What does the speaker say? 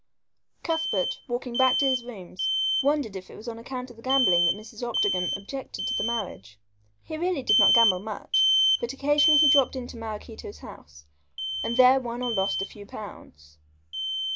Cuthbert, walking back to his rooms, wondered if it was on account of the gambling that Mrs. Octagon objected to the marriage. He really did not gamble much, but occasionally he dropped into Maraquito's house, and there lost or won a few pounds.